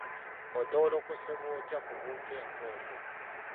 Otowoolokosebwa otya ku bunkenke obwo?